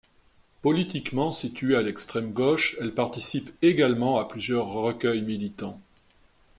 Politiquement située à l'extrême gauche, elle participe également à plusieurs recueils militants.